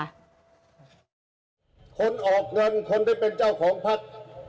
คนออกเงินคนได้เป็นเจ้าของพัก